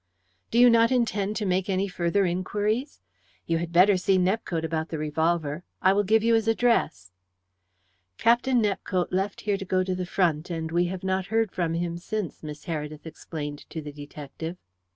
"Do you not intend to make any further inquiries? You had better see Nepcote about the revolver. I will give you his address." "Captain Nepcote left here to go to the front, and we have not heard from him since," Miss Heredith explained to the detective.